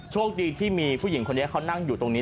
โชคดีที่มีผู้หญิงคนนี้เขานั่งอยู่ตรงนี้